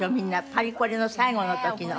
パリコレの最後の時の。